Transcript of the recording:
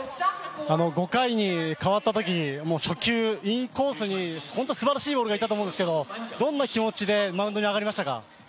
５回に代わったとき初球、インコースに本当にすばらしいボールがいったと思うんですけどもどんな気持ちでマウンドに上がりましたか？